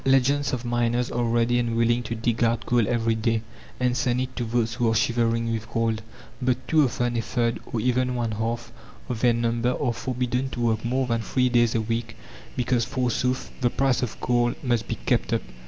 Legions of miners are ready and willing to dig out coal every day, and send it to those who are shivering with cold; but too often a third, or even one half, of their number are forbidden to work more than three days a week, because, forsooth, the price of coal must be kept up!